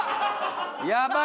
やばい！